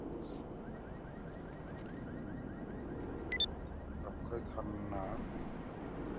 অক্ষয় খান্না এই চলচ্চিত্রের কারণে দর্শকপ্রিয়তা পান এবং 'শ্রেষ্ঠ খল অভিনয়শিল্পী বিভাগে ফিল্মফেয়ার পুরস্কার' বিষয়শ্রেণীতে মনোনয়ন পান।